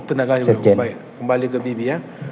tenaga ahli di biro hukum baik kembali ke bibi ya